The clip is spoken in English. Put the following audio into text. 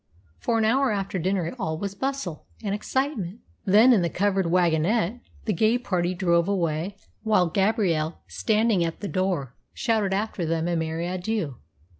For an hour after dinner all was bustle and excitement; then, in the covered wagonette, the gay party drove away, while Gabrielle, standing at the door, shouted after them a merry adieu.